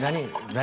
何？